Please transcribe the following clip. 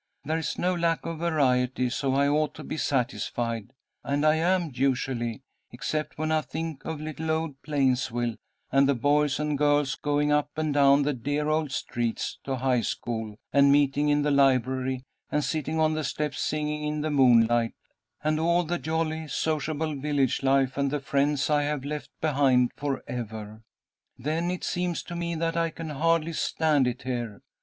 There is no lack of variety, so I ought to be satisfied, and I am usually, except when I think of little old Plainsville, and the boys and girls going up and down the dear old streets to high school, and meeting in the library, and sitting on the steps singing in the moonlight, and all the jolly, sociable village life and the friends I have left behind for ever. Then it seems to me that I can hardly stand it here.